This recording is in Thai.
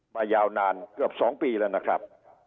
ยาวนานเกือบ๒ปีแล้วนะครับ